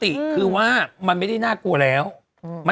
คุณผู้ชมขายังจริงท่านออกมาบอกว่า